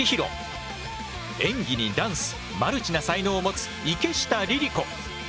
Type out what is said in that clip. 演技にダンスマルチな才能を持つ池下リリコ。